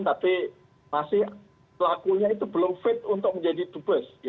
tapi masih pelakunya itu belum fit untuk menjadi dubes